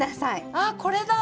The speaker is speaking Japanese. あっこれだ！